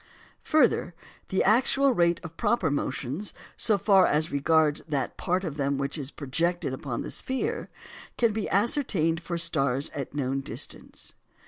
Further, the actual rate of proper motions, so far as regards that part of them which is projected upon the sphere, can be ascertained for stars at known distance.